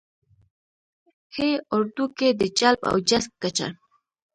ه اردو کې د جلب او جذب کچه